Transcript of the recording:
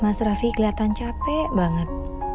mas raffi kelihatan capek banget